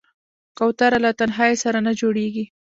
کوتره له تنهايي سره نه جوړېږي.